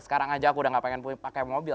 sekarang aja aku udah gak pengen pakai mobil